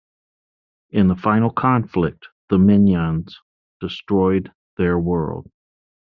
In the final conflict, the Minyans destroyed their world.